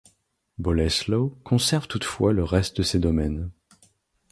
Bolesław conserve toutefois le reste de ses domaines.